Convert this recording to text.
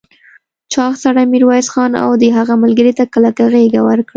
چاغ سړي ميرويس خان او د هغه ملګرو ته کلکه غېږ ورکړه.